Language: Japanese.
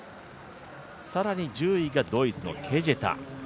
更に１０位がドイツのケジェタ。